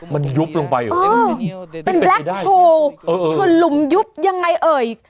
มันยุบลงไปเหรอเป็นแบล็คโฮลคือหลุมยุบยังไงเอ่ย